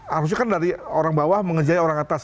harusnya kan dari orang bawah mengejaya orang atas